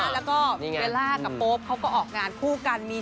แล้วก็เบลล่ากับโป๊ปเขาก็ออกงานคู่กัน